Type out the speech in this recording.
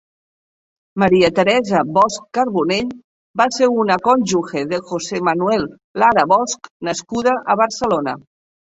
Maria Teresa Bosch Carbonell va ser una cònjuge de José Manuel Lara Bosch nascuda a Barcelona.